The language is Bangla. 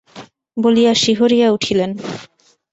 বলিয়া শিহরিয়া উঠিলেন।